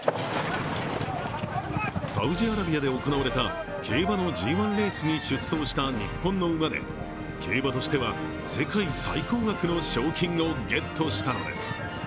サウジアラビアで行われた競馬のＧⅠレースに出走した日本の馬で、競馬としては世界最高額の賞金をゲットしたのです。